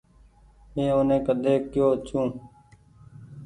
مين اوني ڪۮي ڪي يو ڇون۔